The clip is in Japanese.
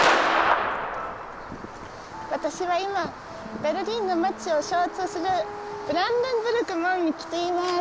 私は今、ベルリンの街を象徴するブランデンブルク門に来ています。